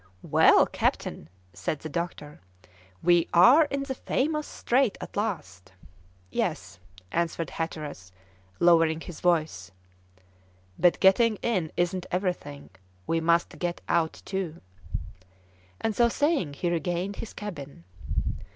"Well, captain," said the doctor, "we are in the famous strait at last." "Yes," answered Hatteras, lowering his voice; "but getting in isn't everything; we must get out too," and so saying he regained his cabin.